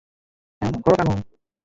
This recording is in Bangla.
এমন করো কেন?